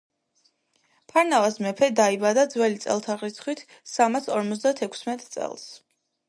ფარნავაზ მეფე დაიბადა ძველი წელთაღრიცხვით სამასორმოცდატექვსმეტ წელს